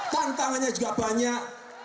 tantangannya juga banyak